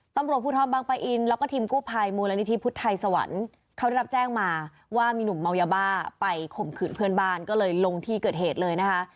ตำรวจภูทรบางปะอินแล้วก็ทีมกู้ภัยมูลนิธิพุทธไทยสวรรค์เขาได้รับแจ้งมาว่ามีหนุ่มเมายาบ้าไปข่มขืนเพื่อนบ้านก็เลยลงที่เกิดเหตุเลยนะคะ